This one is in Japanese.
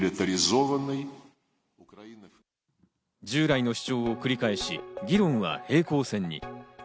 従来の主張を繰り返し議論は平行線に。